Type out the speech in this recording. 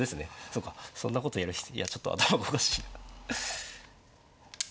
そうかそんなことやる人いやちょっと頭おかしいな。